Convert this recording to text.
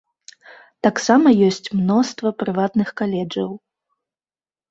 Таксама ёсць мноства прыватных каледжаў.